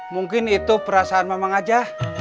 mungkin itu perasaan memang aja